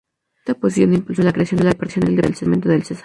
Desde esta posición impulsó la creación del departamento del Cesar.